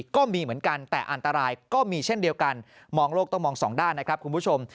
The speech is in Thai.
ก็มีเหมือนกันแต่อันตรายก็มีเช่นเดียวกันมองโลกต้องมองสองด้านนะครับคุณผู้ชม